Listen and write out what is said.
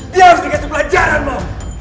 dia harus dikasih pelajaranmu